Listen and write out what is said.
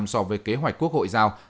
so với kế hoạch quốc hội giao